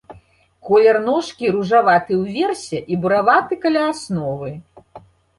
Колер ножкі ружаваты ўверсе і бураваты каля асновы.